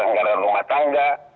anggaran rumah tangga